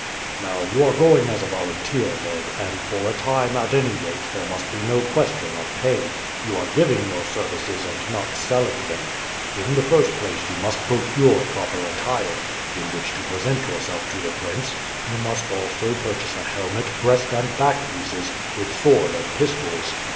"Now, you are going as a volunteer, Ned, and for a time, at any rate, there must be no question of pay; you are giving your services and not selling them. In the first place you must procure proper attire, in which to present yourself to the prince; you must also purchase a helmet, breast and back pieces, with sword and pistols.